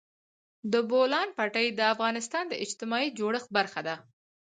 د بولان پټي د افغانستان د اجتماعي جوړښت برخه ده.